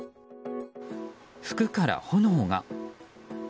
服から炎が。